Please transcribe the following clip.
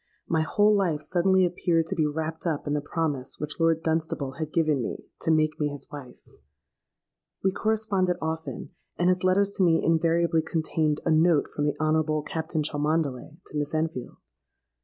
My whole life suddenly appeared to be wrapped up in the promise which Lord Dunstable had given me to make me his wife. We corresponded often; and his letters to me invariably contained a note from the Honourable Captain Cholmondeley to Miss Enfield.